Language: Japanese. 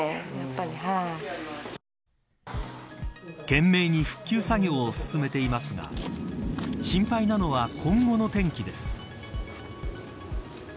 懸命に復旧作業を進めていますが心配なのは今後の天気です。